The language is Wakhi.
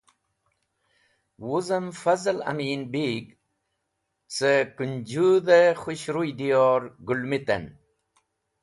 Wuzem Fazal Amin Beg cẽ Kũnjũdh-e khũshruy diyor Gũlmit en.